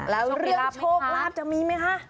แล้วเรื่องโชคลาภจะมีไหมคะ